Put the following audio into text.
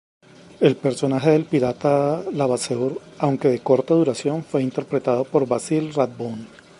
El personaje del pirata Levasseur, aunque de corta duración, fue interpretado por Basil Rathbone.